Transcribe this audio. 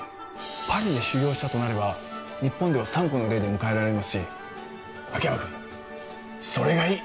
パリで修業したとなれば日本では三顧の礼で迎えられますし秋山くんそれがいい！